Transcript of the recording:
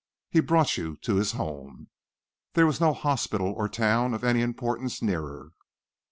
He brought you to his home. There was no hospital or town of any importance nearer."